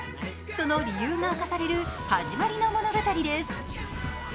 その理由が明かされる始まりの物語です。